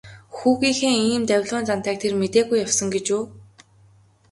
Хүүгийнхээ ийм давилуун зантайг тэр мэдээгүй явсан гэж үү.